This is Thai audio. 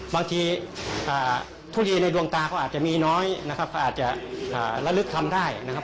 บางทีทุรีในดวงตาเขาอาจจะมีน้อยอาจจะละลึกคำได้นะครับ